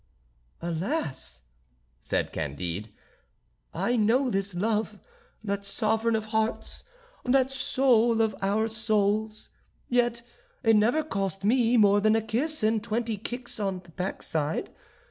"Alas!" said Candide, "I know this love, that sovereign of hearts, that soul of our souls; yet it never cost me more than a kiss and twenty kicks on the backside.